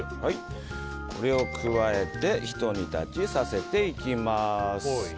これを加えてひと煮立ちさせていきます。